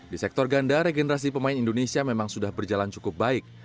di sektor ganda regenerasi pemain indonesia memang sudah berjalan cukup baik